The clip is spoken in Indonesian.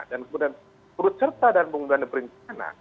dan kemudian penutupan dan pemubuhan berencana